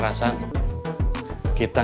mereka siap kalau harus pakai kekerasan